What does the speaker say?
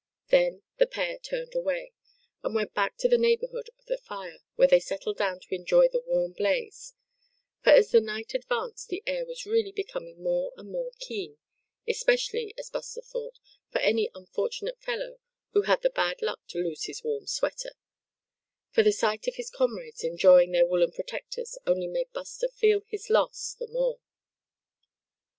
Then the pair turned away, and went back to the neighborhood of the fire, where they settled down to enjoy the warm blaze; for as the night advanced the air was really becoming more and more keen, especially, as Buster thought, for any unfortunate fellow who had the bad luck to lose his warm sweater; for the sight of his comrades enjoying their woolen protectors only made Buster feel his loss the more.